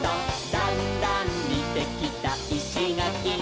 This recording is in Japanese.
「だんだんにてきたいしがきに」